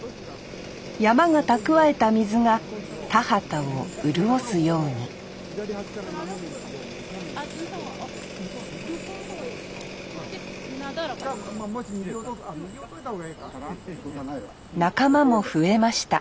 山が蓄えた水が田畑を潤すように仲間も増えました。